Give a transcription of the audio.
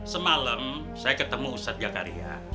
semalam saya ketemu ustadz jakaria